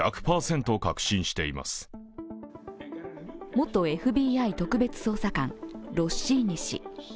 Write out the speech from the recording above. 元ＦＢＩ特別捜査官、ロッシーニ氏。